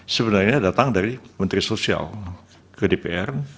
sebenarnya datang dari menteri sosial ke dpr